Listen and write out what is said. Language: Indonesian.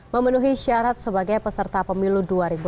memenuhi syarat sebagai peserta pemilu dua ribu sembilan belas